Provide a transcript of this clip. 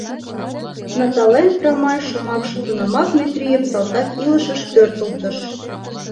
Натален прамай шомакше тунамак Метрийым салтак илышыш пӧртылтыш.